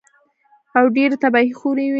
او ډېرې تباهۍ خوروي